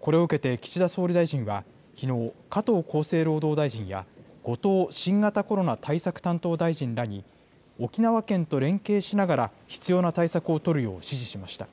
これを受けて岸田総理大臣はきのう、加藤厚生労働大臣や、後藤新型コロナ対策担当大臣らに、沖縄県と連携しながら、必要な対策を取るよう指示しました。